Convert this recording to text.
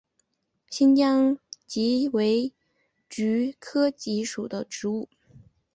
新疆蓟为菊科蓟属的植物。